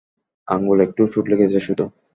আঙুলে একটু চোট লেগেছে শুধু!